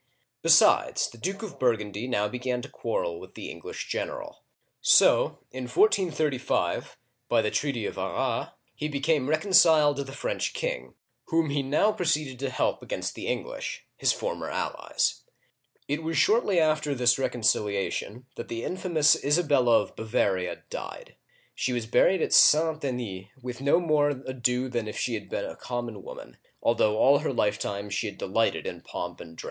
Besides, the Duke of Burgundy now began to quarrel with the English general; so in 143S, by the treaty of Arras', he became rec onciled to the French king, whom he now proceeded to help against the English, his former allies. It was shortly after this reconciliation that the infamous Isabella of Bavaria died. She was buried at St. Denis with no more ado than if she had been a common woman, although all her lifetime she had delighted in pomp and dress.